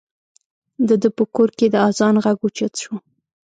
د ده په کور کې د اذان غږ اوچت شو.